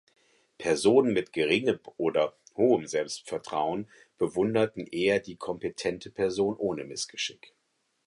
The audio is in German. Personen mit geringem oder hohem Selbstvertrauen bewunderten eher die kompetente Person ohne Missgeschick.